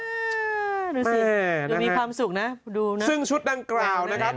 ดูสิดูมีความสุขนะซึ่งชุดดังกล่าวนะครับ